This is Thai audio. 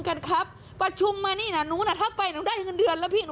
ว่าทำไมมันถึงเป็นแบบนี้ล่าสุดนายพรชัยพุทธส้อนในอำเภอเมืองบุกราหารค่ะ